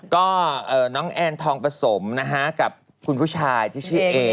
ก็น้องแอนทองผสมนะฮะกับคุณผู้ชายที่ชื่อเอ